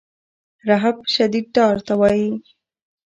رهب شدید ډار ته وایي.